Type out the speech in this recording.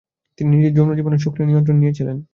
তিনি নিজের যৌন জীবনের সক্রিয় নিয়ন্ত্রণ নিয়েছিলেন।